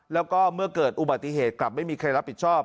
แล้วก็เมื่อเกิดอุบัติเหตุกลับไม่มีใครรับผิดชอบ